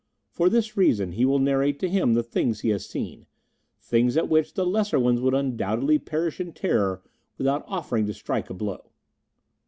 For this reason he will narrate to him the things he has seen things at which the lesser ones would undoubtedly perish in terror without offering to strike a blow."